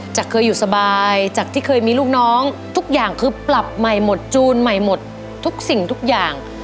เคยอยู่สบายจากที่เคยมีลูกน้องทุกอย่างคือปรับใหม่หมดจูนใหม่หมดทุกสิ่งทุกอย่าง